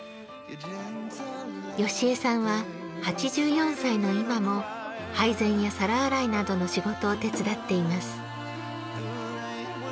由江さんは８４歳の今も配膳や皿洗いなどの仕事を手伝っています。